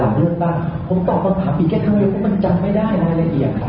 เขาแบบนี้ก็จำให้ได้ไหมพี่